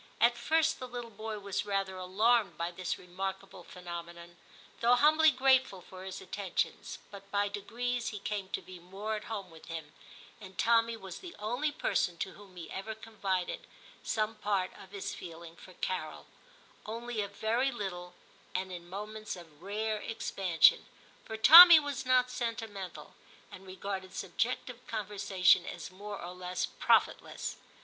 At first the little boy was rather alarmed by this remarkable phenomenon, though humbly grateful for his attentions, but by degrees he came to be more at home with him, and Tommy was the only person to whom he ever confided some part of his feeling for Carol ; only a very little and in moments of rare expansion, for Tommy was not sentimental, and regarded subjective conversation as more or less profit less.